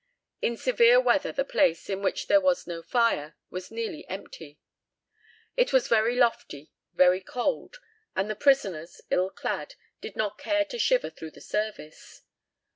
In severe weather the place, in which there was no fire, was nearly empty. It was very lofty, very cold, and the prisoners, ill clad, did not care to shiver through the service.